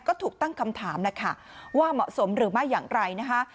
ก็ถูกตั้งคำถามแล้วค่ะว่าเหมาะสมหรือไม่อย่างไรนะคะ